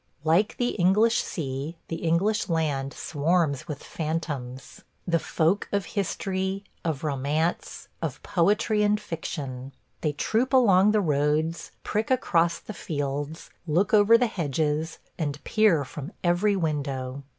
... Like the English sea, the English land swarms with phantoms – the folk of history, of romance, of poetry and fiction. They troop along the roads, prick across the fields, look over the hedges, and peer from every window.